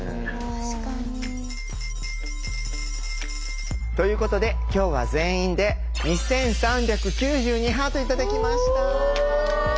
確かに。ということできょうは全員で２３９２ハート頂きました。